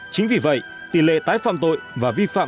chính vì vậy tỷ lệ tái phạm tội và vi phạm